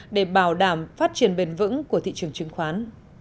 để bảo đảm phát triển bền vững của thị trường chứng khoán